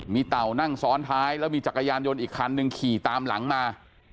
มีเต่านั่งซ้อนท้ายแล้วมีจักรยานยนต์อีกคันหนึ่งขี่ตามหลังมา